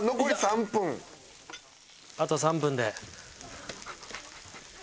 あと３分で。